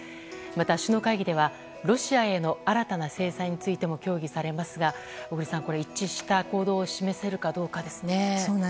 また首脳会議ではロシアへの新たな制裁についても協議されますが小栗さん、一致した行動を示せるかどうかですね。